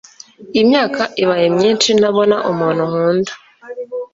imyaka ibaye myishi ntabona umuntu nkunda